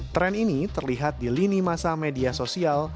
tren ini terlihat di lini masa media sosial